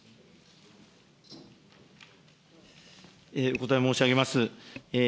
お答え申し上げます。